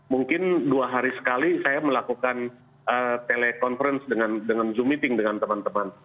mungkin dua hari sekali saya melakukan telekonferensi dengan zoom meeting dengan teman teman